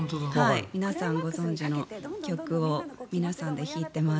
皆さんご存じの曲を皆さんで弾いています。